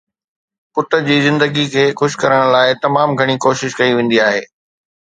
پٽ جي زندگيءَ کي خوش ڪرڻ لاءِ تمام گهڻي ڪوشش ڪئي ويندي آهي